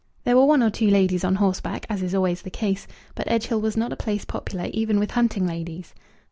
There were one or two ladies on horseback, as is always the case; but Edgehill was not a place popular, even with hunting ladies.